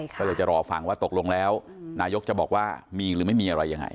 ก็เลยจะรอฟังว่าตกลงแล้วนายกจะบอกว่ามีหรือไม่มีอะไรยังไง